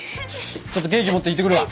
ちょっとケーキ持っていってくるわ。